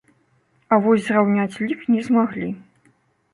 А вось зраўняць лік не змаглі.